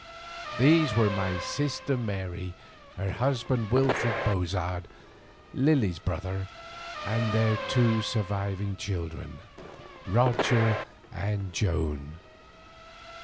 These were my sister Mary, her husband Wilfred Bozard, Lily's brother, and their two surviving children, Roger and Joan.